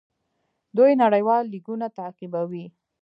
دوی نړیوال لیګونه تعقیبوي.